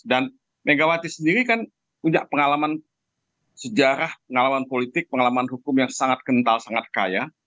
dan megawati sendiri kan punya pengalaman sejarah pengalaman politik pengalaman hukum yang sangat kental sangat kaya